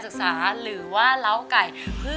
อันดับนี้เป็นแบบนี้